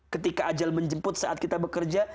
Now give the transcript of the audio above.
ketika ajal menjemput saat kita bekerja